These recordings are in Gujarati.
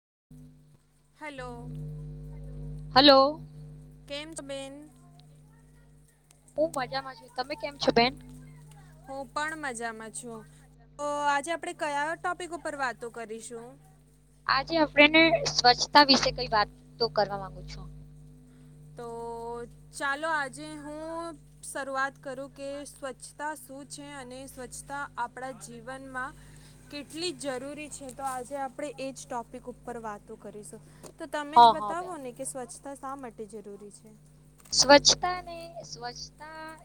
હમ્મ હલો હલો કેમ બેન બું મજામાં છુ તમે કેમ છો બેન હું પણ મજામાં છું તો આજે આપડે કયા ટોપિક ઉપર વાતો કરીશું આપ સ્વચ્છતા વિશે કઈ વાત તો કરવા માંગુ છું તો ચાલો આજે હું શરૂઆત કરું કે સ્વચ્છતા શું છે અને સ્વચ્છતા આપણા જીવનમાં કેટલી જરૂરી છે તો આજે આપણે એજ ટોપિક ઉપર વાતો કરીશું તો તમે જ હા હા બેન બતાવો ને કે સ્વચ્છતા શા માટે જરૂરી છે સ્વચ્છતાને સ્વચ્છતા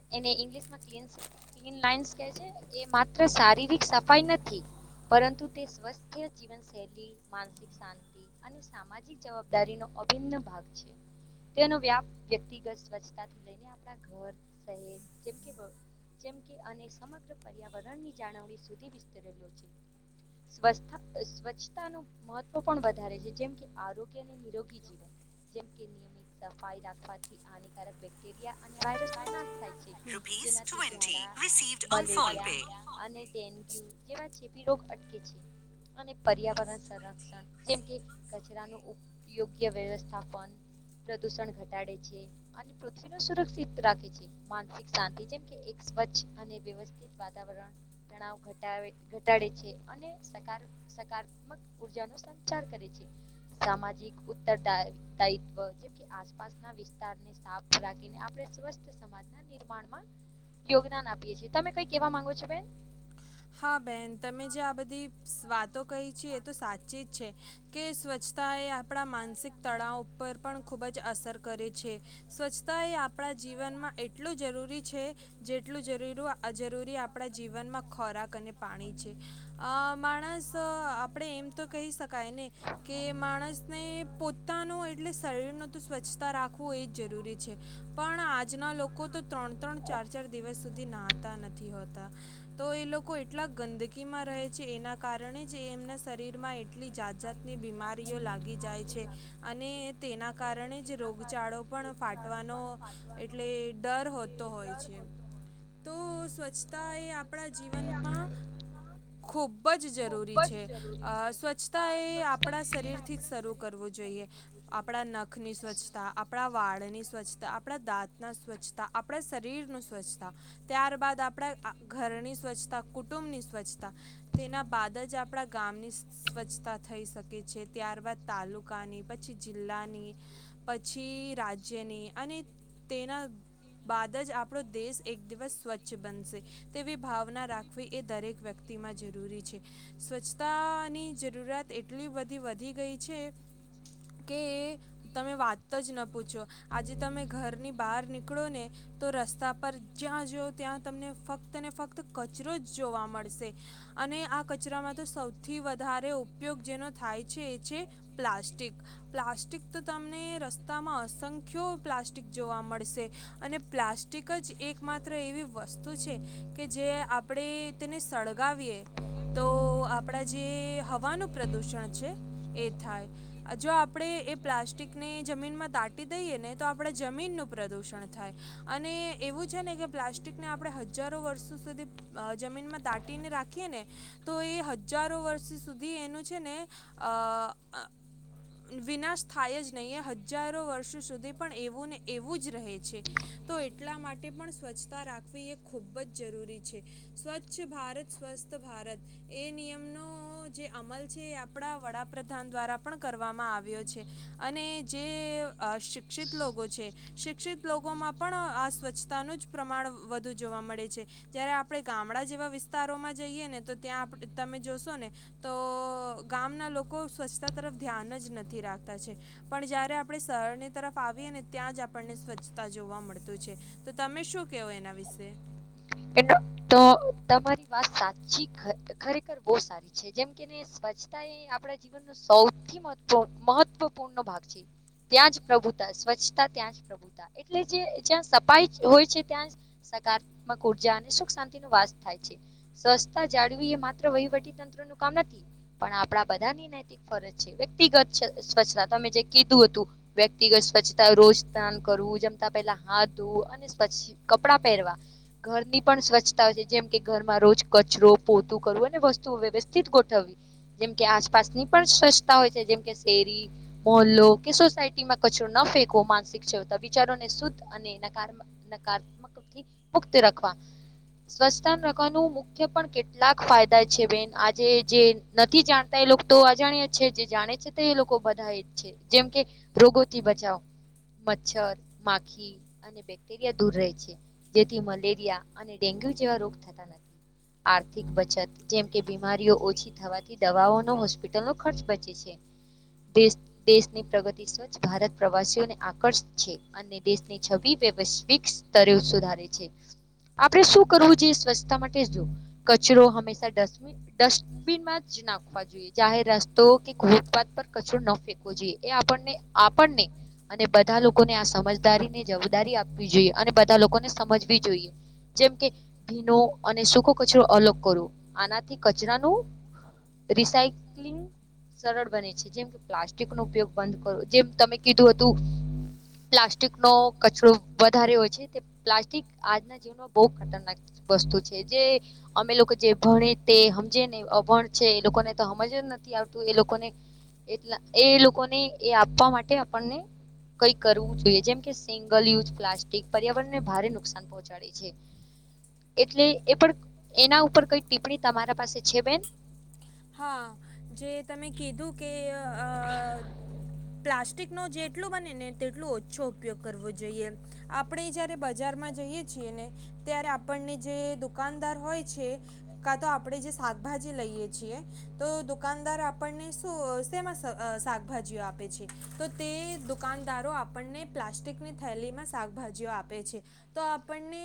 એ માત્ર શારીરિક સફાઈ નથી પરંતુ તે સ્વસ્થ જીવન શૈલી માનસિક શાંતિ અને સામાજિક જવાબદારીનો અભિન્ન ભાગ છે તેનો વ્યાપ વ્યક્તિગત સ્વચ્છતાથી લઈને આપણા ઘર શહેર જેમ કે જેમ કે અને સમગ્ર પર્યાવરણ ની જાળવણી સુધી વિસ્તરેલો છે સ્વ સ્વચ્છતા નો મહત્વ પણ વધારે છે જેમ કે આરોગ્ય અને નિરોગી જીવન જેમકે નિયમિત સફાઈ રાખવાથી હાનિકારક બેક્ટેરિયા અને વાયરસ નો નાશ થાય છે. જેનાથી ઝાડા મલેરિયા અને ડેન્ગ્યુ જેવા છે. પી રગ અટકે છે. અને પર્યાવરણ સંરક્ષણ જેમ કે કચરાનું ઉપયોગ્ય વ્યવસ્થાપન પ્રદુષણ ઘટાડે છે. અને પૃથ્વી ને સુરસિત રાખે છે. માનસિક શાંતિ જેમ એક સ્વચ્છ અને વ્યવસ્થા વાતાવરણ તણ ઘટાડે છે. અનેસકા સકારાત્મક ઉર્જા સામજિક, ઉરાયવ જે આસપાસ ના વિસ રાખીને આપણે સ્વસ્થ સમાજના નિર્માણમાં યોગદાન આપીએ છીએ. તમે કઈ કેવા માંગો છો બેન? હા બેન તમે જે આ બધી વાતો કહી છે. એ તો સાચી જ છે. કે સ્વચ્છ સ્વછતા એ આપણા માનસિક તળાવ ઉપર પણ ખૂબ જ અસર કરે છે. સ્વચ્છતા એ આપણા જીવનમાં એટલું જરૂરી છે. જેટલું જરૂરી જરૂરી આપણા જીવનમાં ખોરાક અને પાણી છે. અ માણસ આપણે એમ તો કહી શકાય ને કે માણસને પો પોતા ન એટલે શરીર ન તો સ્વચ્છતા રાખવું એ જ જરૂરી છે. પણ આજના લોકો તો ત્રણ-ત્રણ ચાર-ચાર દિવસ સુધી નાહતા નથી હોતા. તો એ લોકો એટલા ગંદકી માં રહે છે. એના કારણે જ એ એમના શરીર માં એટલી જાત જાતની ની બીમારીઓ લાગી જાય છે. અને તેના કારણે જ રોગચળો પણ ફાટવાનો એટલે ડર હોય છે. તો સ્વચ્છતા એ આપણા જીવનમાં ખૂબ જ જરૂરી છે. સ્વચ્છ સ્વચ્છ થી જ શરૂ કરવું જોઈએ. આપણા નખની સ્વચ્છતા આપણા વાળની સ્વચ્છતા આપણા દાંત સ્વચ્છતા આપણા શરીર સ્વચ્છતા ત્યારબદ આપના ઘરની સ્વચ્છતા કુટુંબની સ્વચ્છતા તેના બાદ જ આપણા ગામની સ્વચ્છતા. થઈ શકે છે. ત્યારબાદ તાલુકાની પછી જિલ્લાની પછી રાજ્યની અને તેના બાદ જ આપણો દેશ એક દિવસ સ્વચ્છ બનશે. તેવી ભાવના રાખવી એ દરેક વ્યક્તિમાં જરૂરી છે. સ્વચ્છતાની જરૂરત એટલી બધી વધી ગઈ છે. [unintelligible] કે એ તમે વાત જ ન પૂછો આજે તમે ઘરની બહાર નીકળો ને તો રસ્તા પર જ્યાં જોયો ત્યાં તમને ફક્ત ફક્ત કચરો જ જોવા મળશે. અને આ કચરામાં તો સૌથી વધારે ઉપયોગ જે થાય છે. એ છે પ્લાસ્ટિક પ્લાસ્ટિક તો તને રસ્તામાં અસંખ્ય કયો પ્લાસ્ટિક જોવા મળશે અને પ્લાસ્ટિક જ એક માત્ર એવી વસ્તુ છે. કે જે આપણેે તેને સળગાવીએ તો આપણા જે હવાનું પ્રદુષણ છે. એ થાય જો આપણે એ પ્લાસ્ટિકને જમીનમાં તાટી દઈએ ને તો આપણે જમીન પ્રદૂષણ થાય અને એવું છે. ને કે પ્લાસ્ટિકને આપણે હજારો વર્ષ જમીનમાં દાટીને રાખીએ. ને તો એ હજારો વર્ષ સુધી એનું છે. ને વિનાશ થાય જ નહીં. હજારો વર્ષ સુધી પણ એુંને એવું જ રહે છે. તો એટલા માટે પણ સ્વચ્છતા રાખવી એ ખૂબ જ જરૂરી છે. સ્વચ્છ ભારત સ્વસ્થ ભારત એ નિયમનો જે અમલ છે. જે આપણા વડાપ્રધાન દ્વારા પણ કરવામાં આવ્યો છે. અને જે અ શિક્ષિત લોકો છે. શિક્ષિત લોકોમાં પણ આ સ્વચ્છતાનું જ પ્રમાણ વધુ જોવા મળે છે. જયારે આપડણે ગામડા જેવા વિસ્તારોમાં જઈએ. ને તો ત્યાં તમે જોશો ને તો ગામના લોકો સ્વચ્છતા તરફ ધ્યાન જ નથી રાખતા છે. પણ જયારે આપણે શહેરની તરફ આવી અને ત્યાં જ આપણને સ્વચ્છતા જોવા મળતું છે. તો તમે શું? શ કેવય એના વિશે? એ તો તમારી ત સાચી ખરેખર બહુ સારી છે જેમ કેને સ્વચ્છતા એ આપણા જીવન સૌથી મહત્વપૂર્ણ ભાગ છે ત્યાં જ પ્રભુતા સ્વચ્છતા ત્યાં જ પ્રભુતા એટલે જે જ્યાં સફાઈ હોય છે ત્યાં સકારાત્મક ઉર્જા અને સુખ શાંતિ ન વાસ થાય છે સ્વચ્છતા જાળવી એ માત્ર વહીવટી તંત્ર પણ આપ બધાની નૈતિક ફરજ છે વ્યક્તિગત સ્વચ્છતા તમે જે કીધું હતું વ્યક્તિગત સ્વચ્છતા રોજ સ્નાન કરવું જમતા પેલા હાથ ધ અને સ્વચ્છ પહેરવા ઘરની પણ સ્વચ્છતા હો છે જેમ કે ઘરમાં રોજ કચરો પોતું કરવું અને વસ્તુ વ્યવસ્થિત ગોઠવવી જેમ કે આસપાસની પણ સ્વચ્છતા હોય છે જેમ કે શેરી મોલો કે સોસાયટીમાં કચરો ન ફેકવો માનસિક છેવતા વિચારોને શુદ્ધ અને નકા નકારત્મક થી પુખ્ત રાખવા સ્વસ્થાન રખવાનું મુખ્ય પણ કેટલાક ફાયદા છે બેન આજે જે નથી જાણતા એ લોકો તો અજાણી જ છે, જે જાણે છે તે એ લોકો બધા એ જ છે, જેમ કે રોગોથી બચાવ મચ્છર માખી, અને બેક્ટેરિયા દૂર રહે છે. જેથી મલેરિયા અને ડેન્ગ્યુ, જેવા રોગ થતા નથી. આર્થિક, બચત જેમ કે બીમારીઓ ઓછી થવાથી દવાઓનો હોસ્પિટલનો ખર્ચ બચે છે. દેશની પ્રગતિ સ્વચ્છ ભારત પ્રવાસીઓને આકર્ષ છે, અને દેશની છબી. કર્યુંધી આપ શું કરવુંએ સ્વચ્છતા માટે જો કચરો હમેશા ડસ્ટબન ડસ્ટબિનમાં જ નાખવા જોઈએ, જાહેર રસ્તો કેૂતપાથ પર કચરો ન ફેકવો જોઈએ એ આપ આપને અને બધા લોકોને આ સમજદારી ને જવાબદારી આપવી જોઈએ, અને બધા લોકોને સમજવી, જોઈએ જેમ કે ભીનો અને સૂકો કચરો, અલગ કરવો આનાથી કચરાનુ રિસાયક્લિંગ સરળ બને છે, જેમ કે પ્લાસ્ટિક નો ઉપયોગ બંધ કરવો જેમ તમે કીધું હતુ પ્લાસ્ટિક નો કચરો વધારે હોય છે. ઠ આજના જીવનો બહ ખતરનાક વસ્તુ છે. જે અમે લોકો જે ભણે તે સમજને અભણ છે, એ લોકો લોકોને તો સમજ જ નથી, આવતું એ લોકોને એટ એ લોકોને, એ આપવા માટે આપણને કઈ કરવું જોઈએ, જેમ કે સિંગલ યુઝ પ્લાસ્ટિક પર્યાવરણ ભારે નુકસાન પહોંચાડે છે. એટલે એ પણ એના ઉપર કઈ ટીપ્પણી તમારા પાસે છે, બેન હા જે તમે કીધું કે અ પ્લાસ્ટિક નો જેટલું બને ને તેટલું ઓછો ઉપયોગ કરવો જોઈએ, આપણે જયારે બજારમા- ને ત્યારે આપણને જે દુકાનદાર હોય છે, કા તો આપે જે શાકભા ભાજી લઈએ છીએ તો દુકાનદાર આપણને શું શેમાં શાકભાજીઓ આપે છે, તો તે દુકાનદારો આપણને પ્લાસ્ટિકની થેલીમા શાકભાજીઓ આપે છે, તો આપણને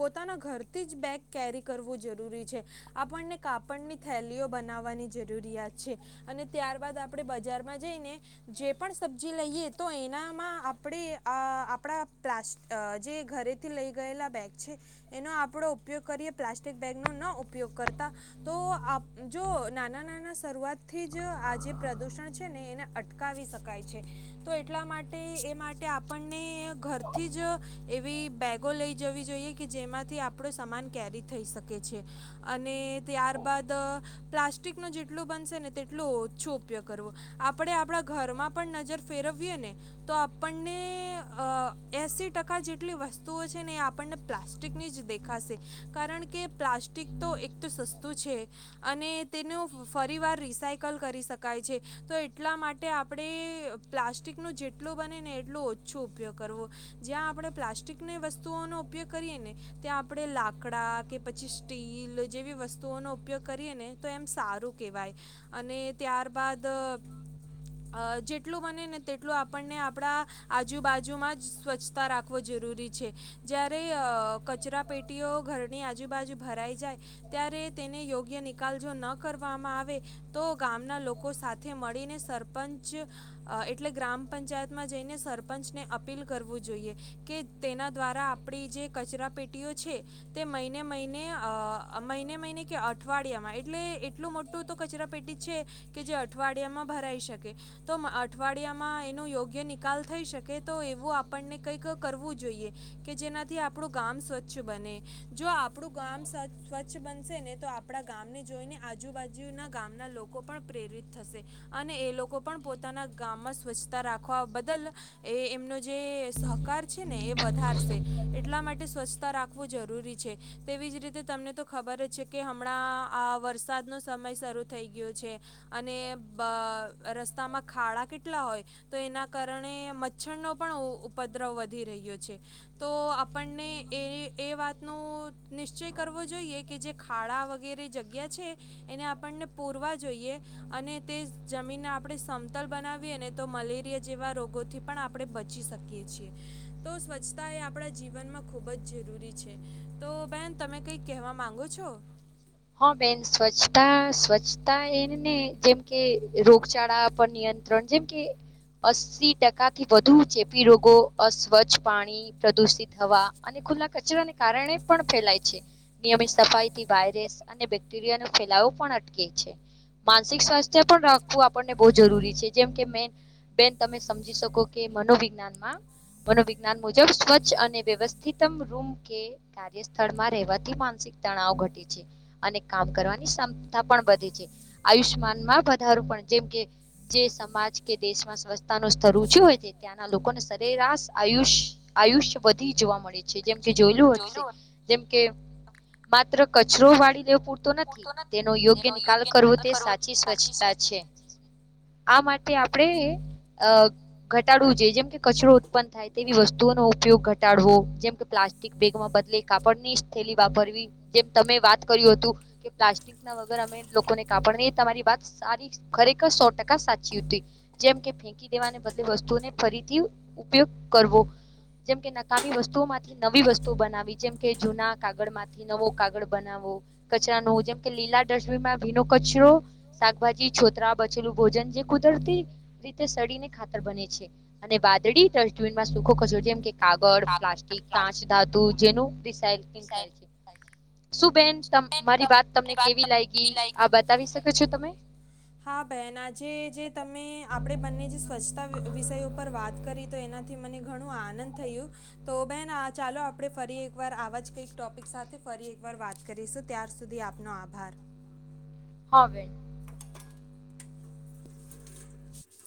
પોતાના ઘરથી, જ બેગ કેરી કરવું જરૂરી છે. આપણને કાપડની થેલીઓ બનાવવાની જરૂરિયાત છે, અને ત્યારબાદ આપણે બજારમાં જઈને જે પણ સબ્જી લઈએ, તો એનામાં આપણે આપણા પ્લાસ્ટ જે ઘરેથી લઈ ગ ગ છે, એનો આપણો કર્યા ઉપયોગ કરીએ પ્લાસ્ટિક બેગ નો ના ઉપયોગ કરતા તો આપ જો નાના નાના શરૂઆતથી જ આ જે પ્રદૂષણ છેને, એને અટકાવી શકાય તો એટલા, માટે એ માટે આપણને ઘરથી જ એવી બેગો લે ઈ જવી જોઈએ કે જેમાંથી આપણો સમાન કેરી થઈ શકે છે. અને ત્યારબદ પ્લાસ્ટિક ન જેટલું બનશે ને તેટલો ઓછો ઉપયો કરવો, આપણે આપણા ઘર નજર ફેરવીએ, ને તો આપણને એસી ટકા જેટલી વસ્તુઓ છે. આપણને પ્લાસ્ટિકની, જ દેખાશે કારણ કે પ્લાસ્ટિક તો એક તો સસ્તું છે. અને તેનું ફરી વાર રિસાયકલ કરી શકાય છે, તો એટલા માટે આપણે પ્લાસ્ટિક, ન જેટ બને ને એટલો ઓછો ઉપયોગ કરવો જ્યાં આપણે પ્લાસ્ટિકની વસ્તુ કુ નો ઉપયોગ કરીએ, ને ત્યાં આપણે લાકડા કે પછી સ્ટીલ જેવી વસ્તુઓનો ઉપયોગ કરીએ ને તો એમ સારુ, કહેવાય અને ત્યાર બાદ અ જેટલું બને ને તેટલું આપણને આપણા આજુબાજુમા, જ સ્વચ્છતા રાખવો જોઈએ જરૂરી છે જ્યારે કચરા પેટીઓ ઘરની આજુબાજુ ભરાઈ જાય ત્યારે તે તેને યોગ કે નિકાલ જો ન કરવામા, આવે તો ગામના લોકો સાથે મળીને સરપંચ એટલે ગ્રામ પંચાયતમાં જઈને, સરપંચને અપીલ કરવું જોઈએ કે તેના દ્વારા આપડે જે કચરા પેટીઓ છે, તે મહિને મહિને અ મહિને મહિને કે અઠવાડિયામાં એટલે એટલું મોટુ તો કચરા પેટી છે, કે જે અઠવાડિયામાં ભરાઈ શકે તો અઠવાડિયામા એનો યોગ્ય, નિકાલ થઈ શકે તો એવું આપણને કઈક કરવું જોઈએ કે જેનાથી આપણું ગામ સ્વચ્છ, બને જો આપણું ગામ સ્વચ્છ બનશે ને તો આપણા ગામને જોઈને, આજુબાજુ ના ગામના લોકો પણ પ્રેરિત થશે અને એ લોકો પણ પોતા ગામમાં સ્વચ્છતા રાખવા બદલ એ એમનો જે સહકાર છેને, એ વધારશે એટલા માટે સ્વચ્છતા રાખવુ જરૂરી છે તેવી જ રીતે તમને તો ખબર જ છે કે હમણાં આ વરસાદ નો સમય શરૂ થઈ ગયો છે અને રસ્તામાં. ખાડા કેટલા હોય તો એના કારણે મચ્છરનો પણ ઉપદ્રવ વધી રહ્યો છે. તો આપણને એ એ વાત નો નિશ્ચય કરવો જોઈએ કે જે ખાડા વગેરે જગ્યા છે એને આપણને પૂરવા જોઈએ અને તે જમીન આપણે બનાવીને તો મલેરિયા જેવા રોગોથી પણ આપણે બચી શકીએ છીએ તો સ્વચ્છતા. એ આપણા જીવનમાં ખુબ જ જરૂરી છે તો બેહેન તમે કઈ કહેવા માંગો છો. હા બેન સ્વચ્છતા સ્વચ્છતા એને જેમ કે રોગચળા પર નિયંત્રણ ત્રણ જેમ કે અસ્સી ટકાથી વધુ ચેપી રોગો અસ્વચ્છ પાણી પ્રદુષિત થવા અને ખુલ્લા કચરાને કારણે પણ ફેલાય છે નિયમિત સફાઈથી વાયરેસ. અને બેક્ટેરિયા નો ફેલાવો પણ અટકે છે. માનસિક સ્વાસ્થ્ય પણ રાખવું આપણને બવ જરૂરી છે જેમ કે મેન બેન તમે સમજી શકો કે મનોવિજ્ઞાનમાં. મનોવિજ્ઞાન મુજબ સ્વચ્છ અને વ્યવસ્થિત રૂમ કે કાર્ય સ્થળમાં રહેવાથી માનસિક તણાવ ઘટે છે અને કામ કરવાની ક્ષમતા પણ વધે છે. આયુષ્યમાન માં વધારો પણ જેમ કે જે સમાજ કે દેશમાં સ્વચ્છતા નું સ્તર ઉચું હોય. ત્યાંના લોકો ને સરેરાશ આયુષ આયુષ વધી જોવા મળે. જેમકે જોયલું હશે જેમકે માત્ર કચરો. વાળી પૂરતો નથી તેનો યોગ્ય નિકાલ કરવો તે સાચી સ્વચ્છતા છે. આ માટે આપણે અ ઘટાડવું જો જેમ કે કચરો ઉત્પન્ન થાય તેવી વસ્તુઓ નો ઉપયોગ ઘટાડવો જેમકે પ્લાસ્ટિક બેગ બદલે કાપડ ની થેલી વાપરવી જેમ તમે વાત હતુ કે પ્લાસ્ટિક ના વગર અમે લોકોને કાપડને એ તમારી વાત સારી ખરેખર સો ટકા સાચી હતી જેમ કે ફેકી દેવાને બદલે વસ્તુને ફરીથી ઉપયોગ કરવો. જેમકે નકામી વસ્તુઓ માંથી નવી વસ્તુ બનાવી જેમકે જૂના કાગળ માંથી નવો કાગળ. બનાવો કચરા નો જેમ કે લીલા ડસ્ટબી ભીનો કચરો શાકભાજી છોતરા બચેલું ભોજન જે કુદરતી રીતે શરીર ને ખાતર બને છે અને વાદળી ડસ્ટબીનમાં સુખો કચરો જેમ કે કાગળ પ્લાસ્ટિક કાંચ ધાતુ. શું બેન. મારી વાત તમને કેવી લાયગી આ બતાવી શકો છો તમે હા બેન આજે જે તમે આપડે બંને જે સ્વચ્છ વિષય ઉપર વાત કરી તો એનાથી મને ઘણું આનંદ થયું તો બેન આ ચાલો આપણે ફરી એકવાર આવા જ કંઈક ટોપિક સાથે ફરી એકવાર વાત કરીશું ત્યાર સુધી આપનો આભાર હવે [unintelligible]